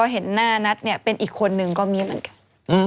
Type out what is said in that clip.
เห็นหน้านัทเป็นอีกคนนึงก็มีมันกัน